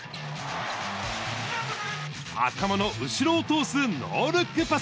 頭の後ろを通すノールックパス。